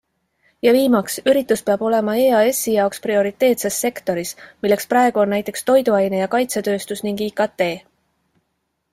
Ja viimaks - üritus peab olema EASi jaoks prioriteetses sektoris, milleks praegu on näiteks toiduaine- ja kaitsetööstus ning IKT.